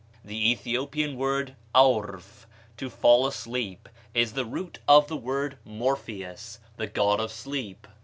The Ethiopian word aorf, to fall asleep, is the root of the word Morpheus, the god of sleep.